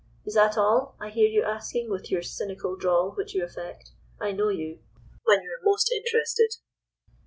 Is that all? I hear you asking with your cynical drawl, which you affect, I know you, when you're most interested.